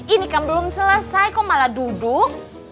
ini kan belum selesai kok malah duduk